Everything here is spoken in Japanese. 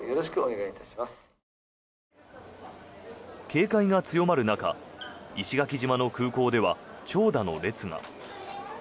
警戒が強まる中石垣島の空港では長蛇の列が。